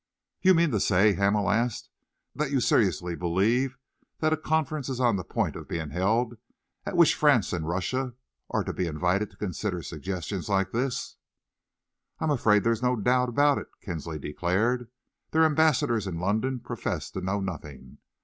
"You mean to say," Hamel asked, "that you seriously believe that a conference is on the point of being held at which France and Russia are to be invited to consider suggestions like this?" "I am afraid there's no doubt about it," Kinsley declared. "Their ambassadors in London profess to know nothing.